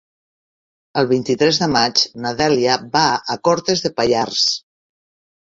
El vint-i-tres de maig na Dèlia va a Cortes de Pallars.